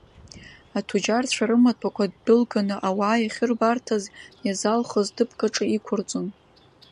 Аҭуџьарцәа рымаҭәақәа дәылганы ауаа иахьырбарҭаз иазалхыз ҭыԥк аҿы иқәырҵон.